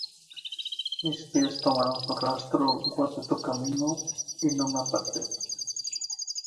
Mis pies tomaron su rastro; Guardé su camino, y no me aparté.